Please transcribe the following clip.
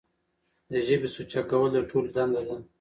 د ژبې سوچه کول د ټولو دنده ده.